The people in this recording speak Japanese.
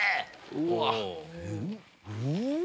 うわっ！